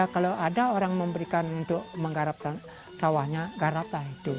kalau ada orang memberikan untuk menggarapkan sawahnya garap lah